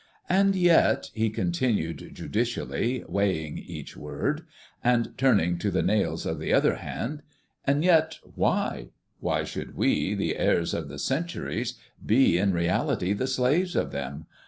"And yet," he continued, judicially weighing each word, and turning to the nails of the other hand, "and yet why? Why should we, the heirs of the centuries, be in reality the slaves of them?